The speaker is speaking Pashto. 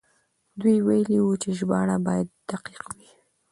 دوی ويلي وو چې ژباړه بايد دقيق وي.